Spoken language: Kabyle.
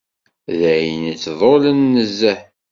D ayen yettḍulen nezzeh